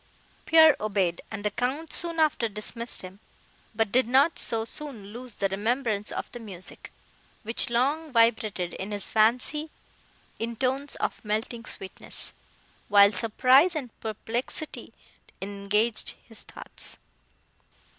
Pierre obeyed, and the Count soon after dismissed him, but did not so soon lose the remembrance of the music, which long vibrated in his fancy in tones of melting sweetness, while surprise and perplexity engaged his thoughts.